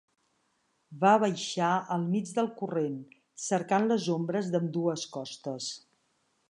Va baixar al mig del corrent, cercant les ombres d'ambdues costes.